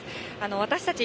私たち